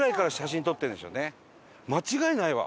間違いないわ！